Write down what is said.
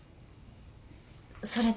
それで。